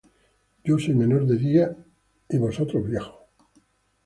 Yo soy menor de días y vosotros viejos;